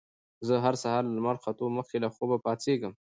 زه هر سهار له لمر ختو مخکې له خوبه پاڅېږم